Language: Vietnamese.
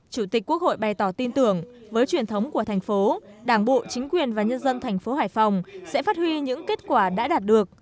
chủ tịch quốc hội bày tỏ tin tưởng với truyền thống của thành phố đảng bộ chính quyền và nhân dân thành phố hải phòng sẽ phát huy những kết quả đã đạt được